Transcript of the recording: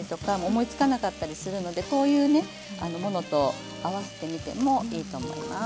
思いつかなかったりするのでこういうねものと合わせてみてもいいと思います。